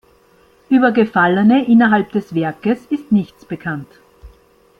Über Gefallene innerhalb des Werkes ist nichts bekannt.